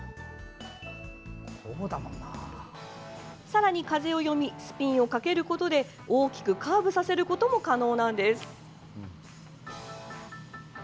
さらに風を読みスピンをかけることで大きくカーブさせることも可能なんです。